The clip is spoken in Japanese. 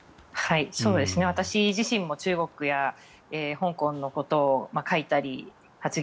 私自身も中国や香港のことを書いたり、発言